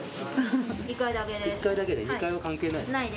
１階だけね２階は関係ないの？